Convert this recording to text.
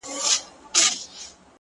دا يې د ميــــني تـرانـــه ماته كــړه!